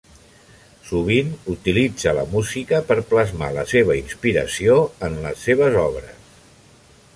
Sovint utilitza la música per plasmar la seva inspiració en les seves obres.